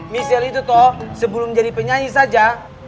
michelle itu toh sebelum jadi penyanyi saja